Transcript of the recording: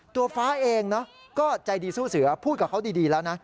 ฟ้าเองก็ใจดีสู้เสือพูดกับเขาดีแล้วนะ